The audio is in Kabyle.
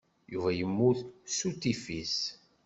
Yuba yemmut s utifis.